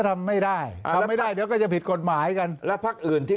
ทำไม่ได้ทำไม่ได้เดี๋ยวก็จะผิดกฎหมายกันแล้วพักอื่นที่